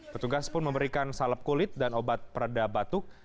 petugas pun memberikan salep kulit dan obat pereda batuk